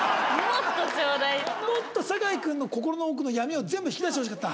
もっと坂井君の心の奥の闇を全部引き出して欲しかった。